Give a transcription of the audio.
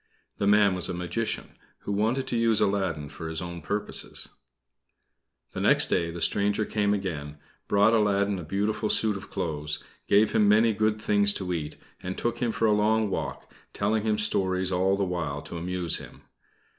The man was a magician, who wanted to use Aladdin for his own purposes. The next day the stranger came again, brought Aladdin a beautiful suit of clothes, gave him many good things to eat, and took him for a long walk, telling him stories all the while to amuse him.